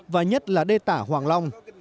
và nhất là đê tả hoàng long